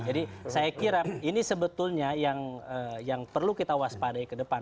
jadi saya kira ini sebetulnya yang perlu kita waspadai ke depan